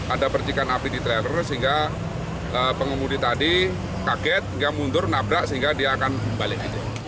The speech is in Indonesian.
ada percikan api di trailer sehingga pengemudi tadi kaget dia mundur nabrak sehingga dia akan balik